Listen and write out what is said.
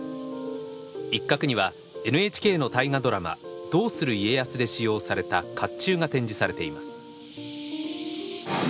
一角には、ＮＨＫの大河ドラマ「どうする家康」で使用されたかっちゅうが展示されています。